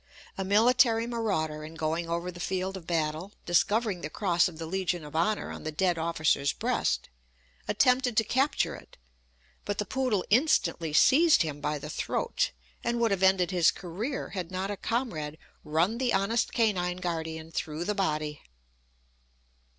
A military marauder, in going over the field of battle, discovering the cross of the legion of honour on the dead officer's breast, attempted to capture it, but the poodle instantly seized him by the throat, and would have ended his career had not a comrade run the honest canine guardian through the body.